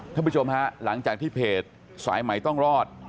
ท่านผู้ชมฮะหลังจากที่เพจสายใหม่ต้องรอด